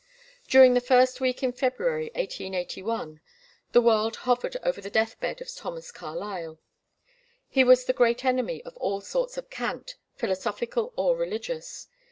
During the first week in February, 1881, the world hovered over the death bed of Thomas Carlyle. He was the great enemy of all sorts of cant, philosophical or religious.